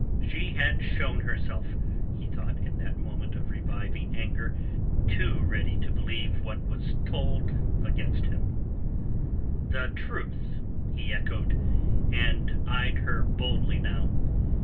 She had shown herself, he thought in that moment of reviving anger, too ready to believe what told against him. "The truth?" he echoed, and eyed her boldly now.